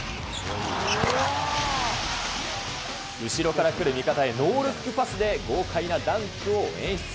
後ろから来る味方へ、ノールックパスで、豪快なダンクを演出。